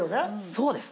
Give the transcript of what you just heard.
そうです。